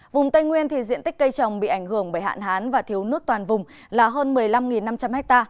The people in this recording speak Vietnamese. vùng tây nguyên diện tích cây trồng bị ảnh hưởng bởi hạn hán và thiếu nước toàn vùng là hơn một mươi năm năm trăm linh ha